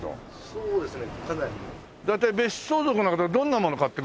そうですね。